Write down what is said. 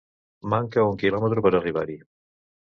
Manca un quilòmetre per a arribar-hi.